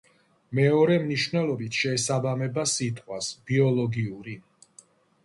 მეორე მნიშვნელობით შეესაბამება სიტყვას „ბიოლოგიური“.